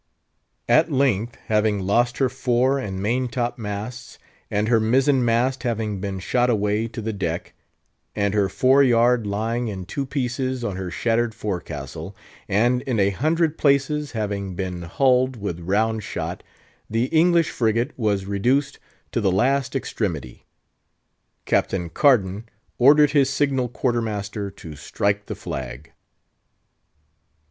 At length, having lost her fore and main top masts, and her mizzen mast having been shot away to the deck, and her fore yard lying in two pieces on her shattered forecastle, and in a hundred places having been hulled with round shot, the English frigate was reduced to the last extremity. Captain Cardan ordered his signal quarter master to strike the flag.